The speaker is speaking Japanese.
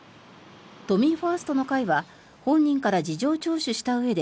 都民ファーストの会は本人から事情聴取したうえで